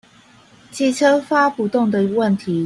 機車發不動的問題